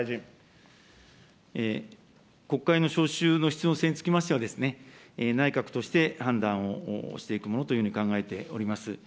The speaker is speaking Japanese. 国会の召集の必要性につきましては、内閣として判断をしていくものというふうに考えております。